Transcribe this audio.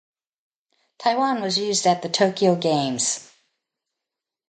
"Taiwan" was used at the Tokyo Games.